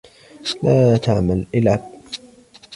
لا تعمل. العب!